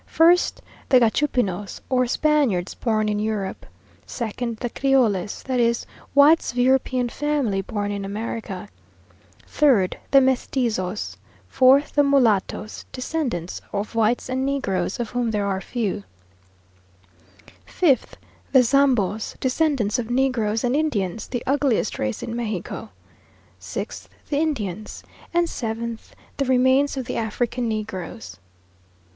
1st, the Gachupinos, or Spaniards born in Europe; 2nd, the Creoles, that is, whites of European family born in America; 3rd, the Mestizos; 4th, the Mulattoes, descendants of whites and negroes, of whom there are few; 5th, the Zambos, descendants of negroes and Indians, the ugliest race in Mexico; 6th, the Indians; and 7th, the remains of the African negroes.